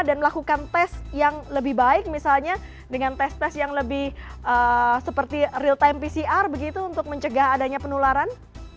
dan melakukan tes yang lebih baik misalnya dengan tes tes yang lebih seperti real time pcr begitu untuk mencegah adanya penularan